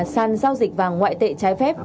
sàn giao dịch và ngoại tệ trái phép